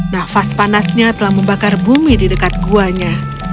nafas panasnya telah membakar bumi di dekat guanya